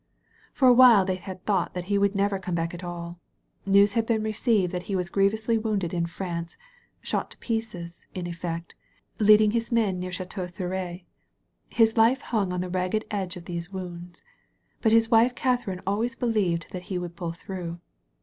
For a while they had thought that he would never come back at all. News had been received that he was grievously wounded in France — shot to pieces, in efifect, leading his men near Ch&teau Thierry. His life himg on the ragged edge of those wounds. But his wife Katharine always believed that he would pull through.